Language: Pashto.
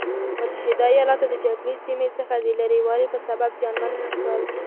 متحده ایلاتو د جګړې سیمې څخه د لرې والي په سبب زیانمن نه شول.